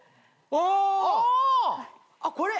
ああっこれ。